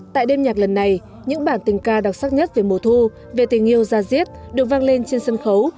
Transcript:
tại đêm nhạc lần này những bản tình ca đặc sắc nhất về mùa thu về tình yêu gia diết được vang lên trên sân khấu